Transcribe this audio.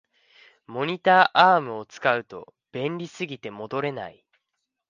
モニターアームを使うと便利すぎて戻れない